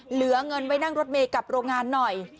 เหลือเงินไว้นั่งรถเมย์กับโรงงานหน่อย